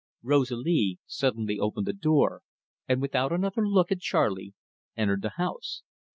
Rosalie suddenly opened the door, and, without another look at Charley, entered the house.